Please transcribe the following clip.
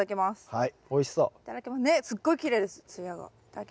はい。